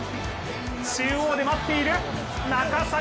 中央で待っている、中坂！